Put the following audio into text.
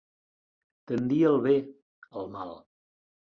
Tendir al bé, al mal.